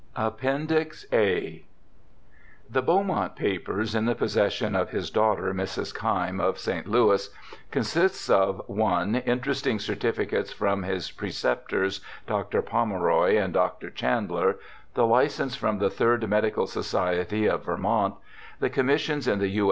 Appendix A The Beaumont papers in the possession of his daughter, Mrs. Keim, of St. Louis, consist of (i) in teresting certificates from his preceptors, Dr. Pomeroy and Dr. Chandler, the licence from the Third Medical Society of Vermont, the commissions in the U.